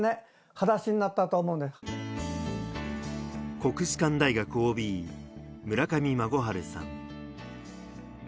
国士舘大学ＯＢ・村上孫晴さん。